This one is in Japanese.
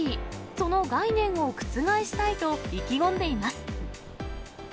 その概念を覆したいと、意気込んでいます。